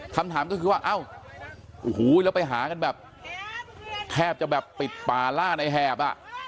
คำถามก็คือว่าเอ้าโอ้โหแล้วไปหากันแบบแทบจะแบบปิดป่าล่าในแหบอ่ะ